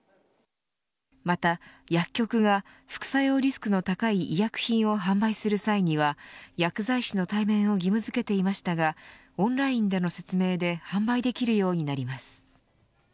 また薬局が、副作用リスクの高い医薬品を販売する際には薬剤師の対面を義務付けていましたがオンラインでの説明で販売できるようになります。